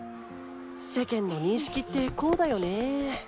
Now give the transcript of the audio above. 世間の認識ってこうだよね。